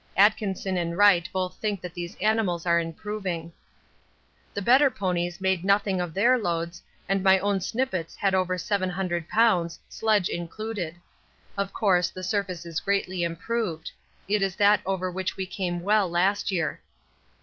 Atkinson and Wright both think that these animals are improving. The better ponies made nothing of their loads, and my own Snippets had over 700 lbs., sledge included. Of course, the surface is greatly improved; it is that over which we came well last year.